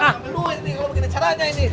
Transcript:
ah lu ini kalau begini caranya ini